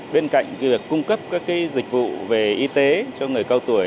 bên cạnh việc cung cấp các dịch vụ về y tế cho người cao tuổi